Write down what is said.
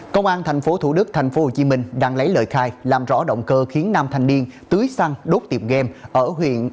công an tp hcm đang lấy lời khai làm rõ động cơ khiến năm thanh niên tưới xăng đốt tiệm game